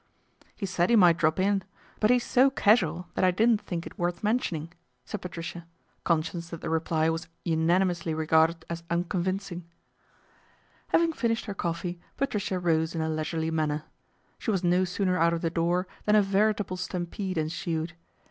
" He said he might drop in ; but he's so casual that I didn't think it worth mentioning/' said Patricia, conscious that the reply was unani mously regarded as unconvincing. PATRICIA'S REVENGE 65 Having finished her coffee Patricia rose in a leisurely manner. She was no sooner out of the door than a veritable stampede ensued.